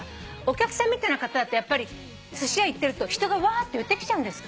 お客さんみたいな方だとやっぱりすし屋行ってると人がわって寄ってきちゃうんですか」